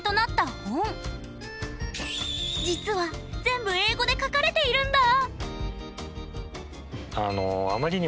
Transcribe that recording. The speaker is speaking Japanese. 実は全部英語で書かれているんだ！